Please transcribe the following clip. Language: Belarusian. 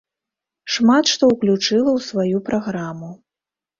Шмат што ўключыла ў сваю праграму.